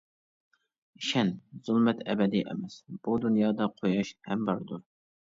ئىشەن، زۇلمەت ئەبەدىي ئەمەس، بۇ دۇنيادا قۇياش ھەم باردۇر.